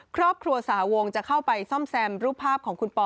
ครอบครัวสาวงจะเข้าไปซ่อมแซมรูปภาพของคุณปอ